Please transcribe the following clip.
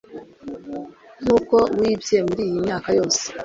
nkuko wibye muriyi myaka yose